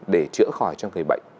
để chữa khỏi cho người bệnh